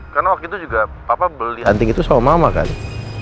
karena waktu itu juga papa beli anting itu sama mama kali